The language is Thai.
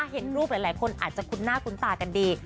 เห็นรูปหลายคนอาจจะคุ้นหน้าคุ้นตากันดี